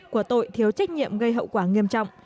của tội thiếu trách nhiệm gây hậu quả nghiêm trọng